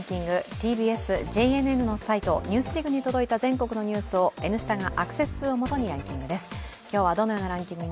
ＴＢＳ・ＪＮＮのサイト「ＮＥＷＳＤＩＧ」に届いたニュースを「Ｎスタ」がアクセス数を基にランキングです。